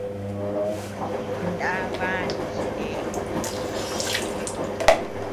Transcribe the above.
Ndá bani jineʼey.